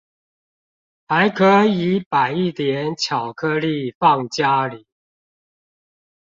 還可以擺一點巧克力放家裡